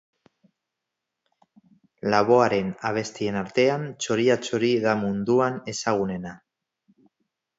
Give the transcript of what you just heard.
Laboaren abestien artean, Txoria txori da munduan ezagunena